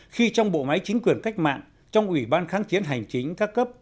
khi trong bộ máy chính quyền cách mạng trong ủy ban kháng chiến hành chính các cấp